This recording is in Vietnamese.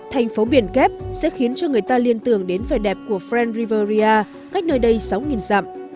thành phố biển kép sẽ khiến cho người ta liên tưởng đến vẻ đẹp của fren riveria cách nơi đây sáu dặm